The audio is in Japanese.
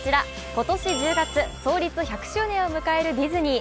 今年１０月創立１００周年を迎えるディズニー。